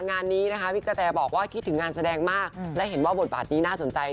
งานนี้นะคะพี่กะแตบอกว่าคิดถึงงานแสดงมากและเห็นว่าบทบาทนี้น่าสนใจ